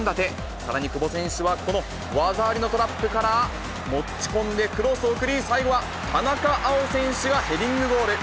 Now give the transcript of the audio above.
さらに久保選手はこの技ありのトラップから持ち込んでクロスを送り、最後は田中碧選手がヘディングゴール。